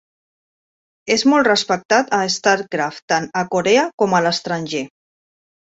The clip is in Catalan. És molt respectat a StarCraft tant a Corea com a l'estranger.